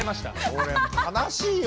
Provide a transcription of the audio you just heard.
俺悲しいよ。